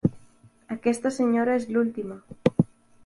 Aquesta senyora és l'última.